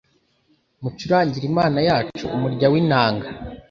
mucurangire Imana yacu umurya w’inanga